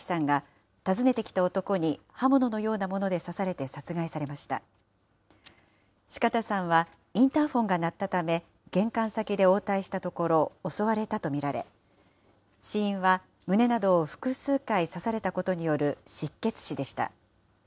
四方さんはインターフォンが鳴ったため玄関先で応対したところ、襲われたと見られ、死因は胸などを複数回刺されたことによる失血死でした。